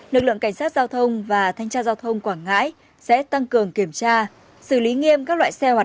nước lượng cảnh sát giao thông và thanh tra giao thông quảng ngãi sẽ tăng cường kiểm tra xử lý nghiêm các loại xe hoạt động chui